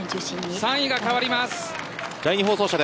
３位がかわります。